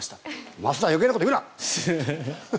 増田、余計なこと言うな！